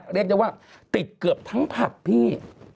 เรียกได้ว่าติดเกือบทั้งผับพี่